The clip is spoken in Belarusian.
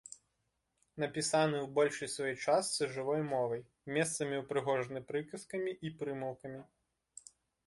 Напісаны ў большай сваёй частцы жывой мовай, месцамі ўпрыгожаны прыказкамі і прымаўкамі.